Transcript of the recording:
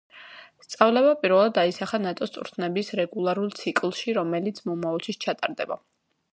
სწავლება პირველად აისახა ნატოს წვრთნების რეგულარულ ციკლში, რომელიც მომავალშიც ჩატარდება.